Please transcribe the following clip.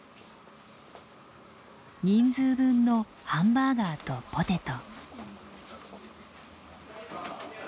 人数分のハンバーガーとポテト。